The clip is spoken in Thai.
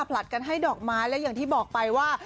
ผลัดกันให้ดอกไม้และอย่างที่บอกไปว่า